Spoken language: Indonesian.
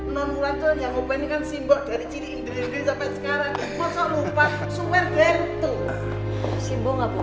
nong ulan tuh yang ngopain ini kan si mbok dari ciri indri indri sampe sekarang